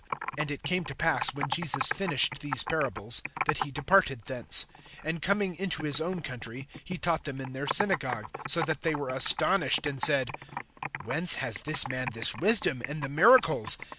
(53)And it came to pass, when Jesus finished these parables, that he departed thence. (54)And coming into his own country, he taught them in their synagogue; so that they were astonished, and said: Whence has this man this wisdom, and the miracles?